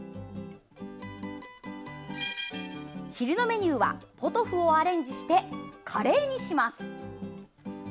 昼のメニューは、ポトフをアレンジしてカレーにします。